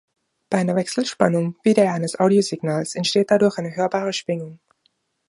Bei einer Wechselspannung, wie der eines Audiosignals, entsteht dadurch eine hörbare Schwingung.